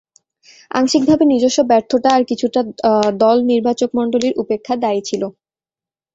আংশিকভাবে নিজস্ব ব্যর্থতা আর কিছুটা দল নির্বাচকমণ্ডলীর উপেক্ষা দায়ী ছিল।